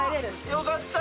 よかった。